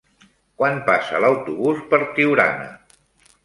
Quan passa l'autobús per Tiurana?